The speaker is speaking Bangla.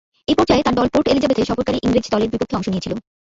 এ পর্যায়ে তার দল পোর্ট এলিজাবেথে সফরকারী ইংরেজ দলের বিপক্ষে অংশ নিয়েছিল।